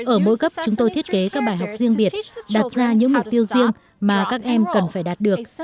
ở mỗi cấp chúng tôi thiết kế các bài học riêng biệt đặt ra những mục tiêu riêng mà các em cần phải đạt được